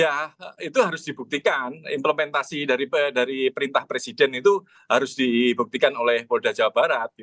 ya itu harus dibuktikan implementasi dari perintah presiden itu harus dibuktikan oleh polda jawa barat